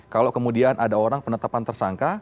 kalau kemudian ada orang penetapan tersangka